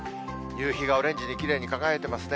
夕日がオレンジにきれいに輝いてますね。